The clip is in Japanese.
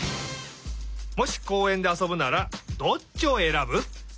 もしこうえんであそぶならどっちをえらぶ？